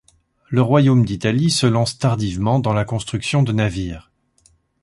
Le Royaume d'Italie se lance tardivement dans la construction de navires.